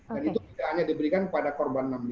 dan itu tidak hanya diberikan kepada korban enam puluh lima